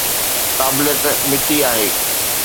قابليت مٽي آهي.